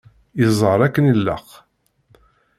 Yeẓẓar akken ilaq.